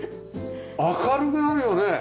明るくなるよね！